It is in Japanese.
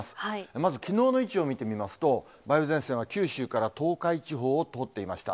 まずきのうの位置を見てみますと、梅雨前線は九州から東海地方を通っていました。